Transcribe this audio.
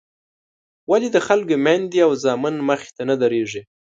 ولې د خلکو میندې او زامن مخې ته نه درېږي.